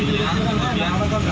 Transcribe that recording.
nih kejadian kalau punya